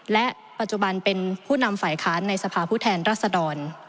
และปัจจุบันเป็นผู้นำฝ่ายค้านในสภาพผู้แทนรัศดร